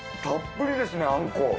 たっぷりですね、あんこ。